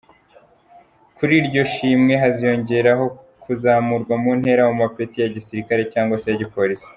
Kuri iryo shimwe haziyongeraho kuzamurwa muntera mumapeti ya gisirikari cyangwa se ya gipolisi.